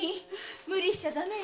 無理しちゃダメよ。